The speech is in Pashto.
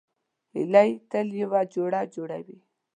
هیلۍ تل یو جوړه جوړوي